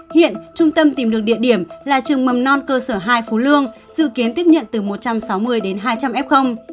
hiện trung tâm tìm được địa điểm là trường mầm non cơ sở hai phú lương dự kiến tiếp nhận từ một trăm sáu mươi đến hai trăm linh f